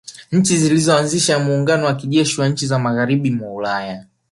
Nchi zilianzisha muungano wa kijeshi wa nchi za magharibi mwa Ulaya